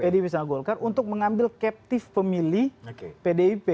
pdip sama golkar untuk mengambil captive pemilih pdip